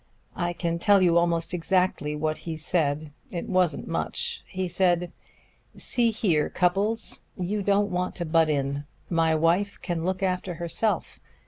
I can tell you almost exactly what he said it wasn't much. He said, 'See here, Cupples, you don't want to butt in. My wife can look after herself.